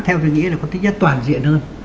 theo tôi nghĩ là có tính chất toàn diện hơn